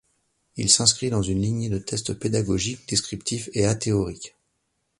Il s'inscrit dans une lignée de tests pédagogiques, descriptifs et athéoriques.